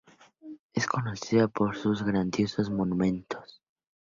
Es conocido por sus "grandiosos monumentos".